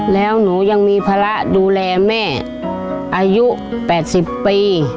แล้วหนูยังมีภาระดูแลแม่อายุ๘๐ปี